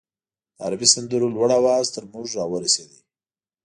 د عربي سندرو لوړ اواز تر موږ راورسېد.